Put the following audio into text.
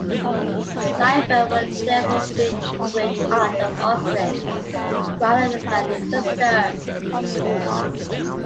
Cyneburgh would therefore be the great-aunt of Osric, rather than his sister.